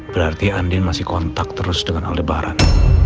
berarti andien masih kontak terus dengan al debaran